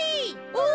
お。